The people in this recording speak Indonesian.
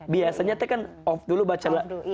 biasanya saya kan off dulu baca